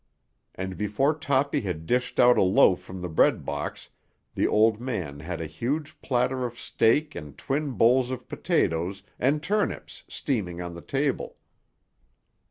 And before Toppy had dished out a loaf from the bread box the old man had a huge platter of steak and twin bowls of potatoes and turnips steaming on the table.